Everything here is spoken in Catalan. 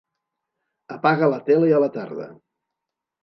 Apaga la tele a la tarda.